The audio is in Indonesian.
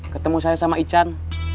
ketemu saya sama ican